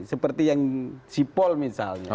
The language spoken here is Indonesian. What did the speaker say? seperti yang sipol misalnya